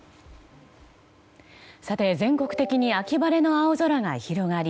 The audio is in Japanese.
全国的に秋晴れの青空が広がり